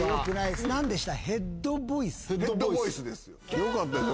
よかったでしょ。